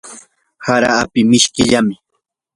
hara api mishkillam.